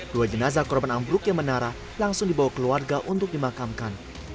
dua jenazah korban ambruk yang menara langsung dibawa keluarga untuk dimakamkan